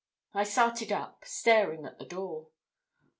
I started up, staring at the door.